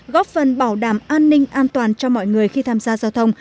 góp phần bảo đảm an ninh an toàn cho mọi người khi tham gia giao thông